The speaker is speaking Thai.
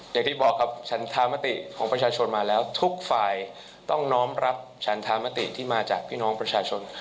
อย่างที่บอกครับฉันธามติของประชาชนมาแล้วทุกฝ่ายต้องน้อมรับฉันธามติที่มาจากพี่น้องประชาชน